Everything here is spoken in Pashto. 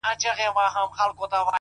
نو گراني تاته وايم’